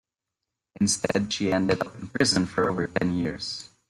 Instead she ended up in prison for over ten years.